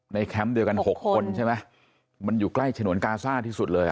แคมป์เดียวกัน๖คนใช่ไหมมันอยู่ใกล้ฉนวนกาซ่าที่สุดเลย